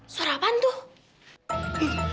suara apaan tuh